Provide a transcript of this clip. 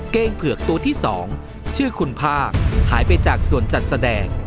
เก้งเผือกตัวที่๒ชื่อคุณภาคหายไปจากส่วนจัดแสดง